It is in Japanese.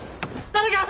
誰か！